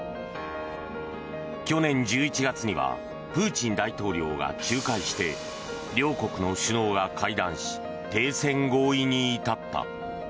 去年１１月にはプーチン大統領が仲介して両国の首脳が会談し停戦合意に至った。